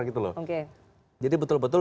gitu loh jadi betul betul